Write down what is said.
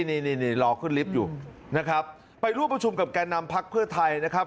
นี่นี่รอขึ้นลิฟต์อยู่นะครับไปร่วมประชุมกับแก่นำพักเพื่อไทยนะครับ